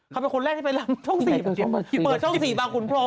เขาเป็นคนแรกที่ไปลำช่อง๔เปิดช่อง๔บางขุนพรม